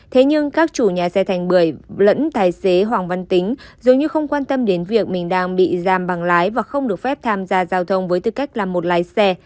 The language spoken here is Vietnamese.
thế nhưng các chủ nhà xe thành bưởi lẫn tài xế hoàng văn tính dù như không quan tâm đến việc mình đang bị giam bằng lái và không được phép tham gia giao thông với tư cách là một lái xe